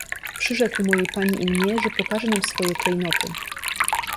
"Przyrzekł mojej pani i mnie, że pokaże nam swoje klejnoty."